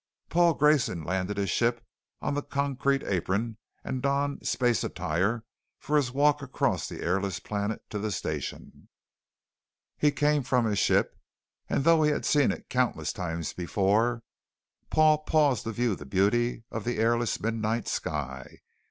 Paul Grayson landed his ship on the concrete apron and donned space attire for his walk across the airless planet to the Station. He came from his ship and though he had seen it countless times before Paul paused to view the beauty of the airless midnight sky.